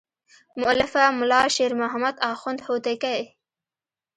مؤلفه ملا شیر محمد اخوند هوتکی.